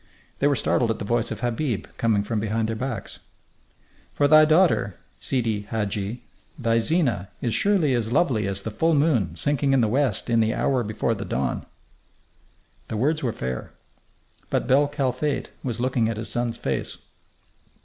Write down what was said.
They were startled at the voice of Habib coming from behind their backs. "For thy daughter, Sidi Hadji, thy Zina, is surely as lovely as the full moon sinking in the west in the hour before the dawn." The words were fair. But bel Kalfate was looking at his son's face.